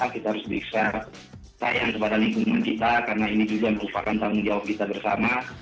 kita harus bisa sayang kepada lingkungan kita karena ini juga merupakan tanggung jawab kita bersama